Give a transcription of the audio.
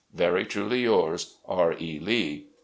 "'Very truly yours, "'R. E, Lee.